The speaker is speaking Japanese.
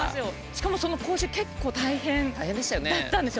しかもその講習結構大変だったんですよ。